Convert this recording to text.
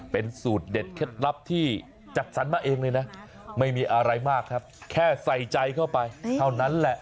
เป็นสูตรเด็ดเคล็ดลับที่จัดสรรมาเองเลยนะไม่มีอะไรมากครับแค่ใส่ใจเข้าไปเท่านั้นแหละ